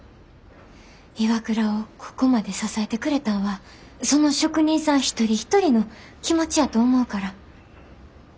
ＩＷＡＫＵＲＡをここまで支えてくれたんはその職人さん一人一人の気持ちやと思うから。